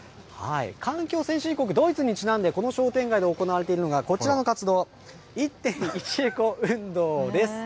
環境先進国、ドイツにちなんで、この商店街で行われているのが、こちらの活動、１店１エコ運動です。